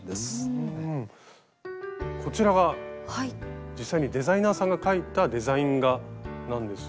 こちらが実際にデザイナーさんが描いたデザイン画なんですが。